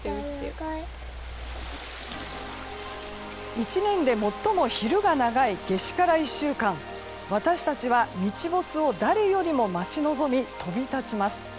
１年で最も昼が長い夏至から１週間私たちは日没を誰よりも待ち望み飛び立ちます。